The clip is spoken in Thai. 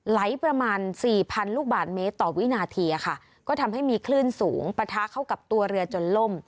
ไหลประมาณสี่พันลูกบาทเมตรต่อวินาทีค่ะก็ทำให้มีคลื่นสูงปะทะเข้ากับตัวเรือจนล่ม